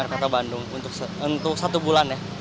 kota bandung untuk satu bulan ya